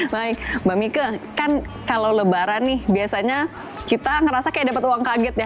baik mbak mika kan kalau lebaran nih biasanya kita ngerasa kayak dapat uang kaget ya